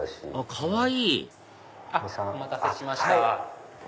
かわいい！お待たせしました。